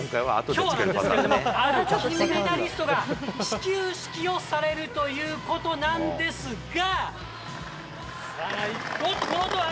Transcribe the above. きょうなんですけれども、ある金メダリストが始球式をされるということなんですが、おっと、この音は？